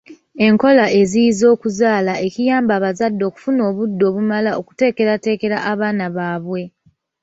Enkola eziyiza okuzaala ekiyamba abazadde okufuna obudde obumala okuteekerateekera abaana baabwe.